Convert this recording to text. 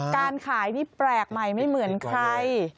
การขายนี่แปลกใหม่ไม่เหมือนใคร